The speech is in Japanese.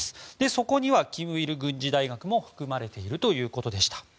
そこにはキムイル軍事大学も含まれているということでした。